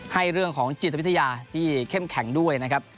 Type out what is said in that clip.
เรื่องของจิตวิทยาที่เข้มแข็งด้วยนะครับ